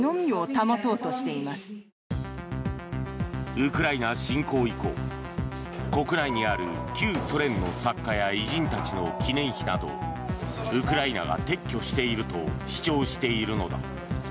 ウクライナ侵攻以降国内にある旧ソ連の偉人たちや作家の記念碑などをウクライナが撤去していると主張しているのだ。